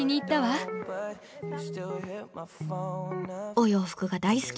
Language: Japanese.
お洋服が大好き。